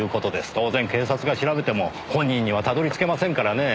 当然警察が調べても本人にはたどり着けませんからねぇ。